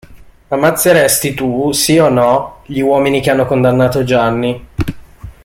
Ammazzeresti tu, sì o no, gli uomini che hanno condannato Gianni?